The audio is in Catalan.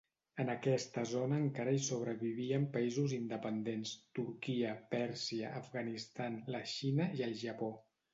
En aquesta zona encara hi sobrevivien països independents: Turquia, Pèrsia, Afganistan, la Xina i el Japó.